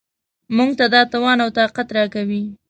موږ ته دا توان او طاقت راکوي.